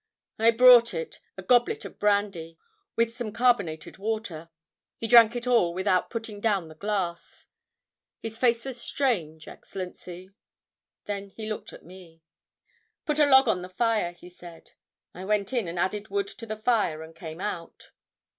"I brought it, a goblet of brandy, with some carbonated water. He drank it all without putting down the glass.... His face was strange, Excellency.... Then he looked at me. "'Put a log on the fire,' he said. "I went in and added wood to the fire and came out.